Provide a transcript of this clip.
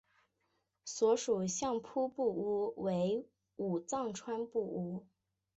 所属相扑部屋为武藏川部屋。